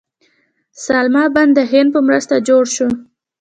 سلما بند د هند په مرسته جوړ شو